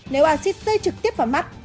nếu axit xây trực tiếp vào mắt